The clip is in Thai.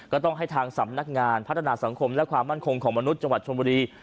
ก็ต้องให้ทางสำนักงานพัฒนาสังคมและความมั่นคงของมนุษย์จังหวัดชมบุรี